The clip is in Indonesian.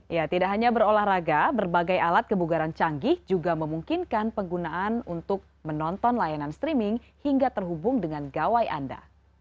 ya tidak hanya berolahraga berbagai alat kebugaran canggih juga memungkinkan penggunaan untuk menonton layanan streaming hingga terhubung dengan gawai anda